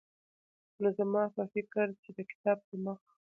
نو زما په فکر چې د کتاب پرمخ